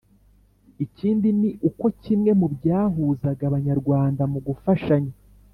Ikindi ni uko kimwe mu byahuzaga Abanyarwanda mu gufashanya,